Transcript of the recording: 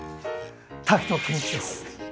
滝藤賢一です。